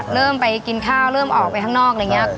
เริ่มไปกินข้าวเริ่มออกไปข้างนอกอะไรอย่างนี้